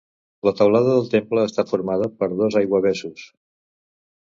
La teulada del temple està formada per dos aiguavessos.